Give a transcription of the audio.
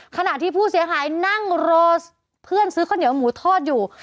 ขณะที่ผู้เสียหายนั่งรอเพื่อนซื้อข้าวเหนียวหมูทอดอยู่